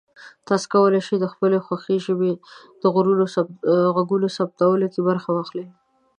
تاسو کولی شئ د خپلې خوښې ژبې د غږونو ثبتولو کې برخه واخلئ.